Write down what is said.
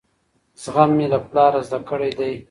زغم مې له پلاره زده کړی دی.